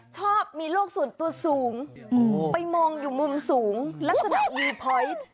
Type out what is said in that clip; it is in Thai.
ชอบมีโลกส่วนตัวสูงไปมองอยู่มุมสูงลักษณะวีพอยต์